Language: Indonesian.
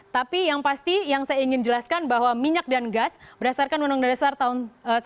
tapi yang pasti yang saya ingin jelaskan bahwa minyak dan gas berdasarkan undang undang dasar tahun seribu sembilan ratus empat puluh lima